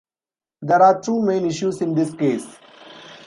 There are two main issues in this case.